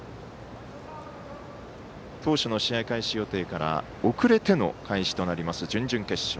当初の試合開始予定から遅れての試合開始となります準々決勝。